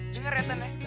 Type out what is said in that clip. dengar ya tante